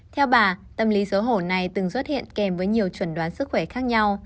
theo bà tâm lý xấu hổ này từng xuất hiện kèm với nhiều chuẩn đoán sức khỏe khác nhau